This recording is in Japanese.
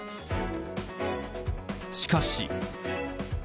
しかし。